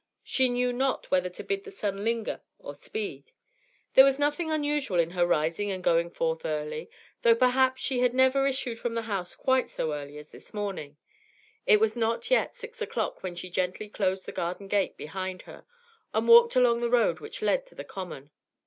She knew not whether to bid the sun linger or speed. There was nothing unusual in her rising and going forth early, though perhaps she had never issued from the house quite so early as this morning; it was not yet six o'clock when she gently closed the garden gate behind her, and walked along the road which led on to the common.